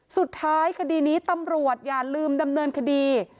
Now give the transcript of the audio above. คดีนี้ตำรวจอย่าลืมดำเนินคดี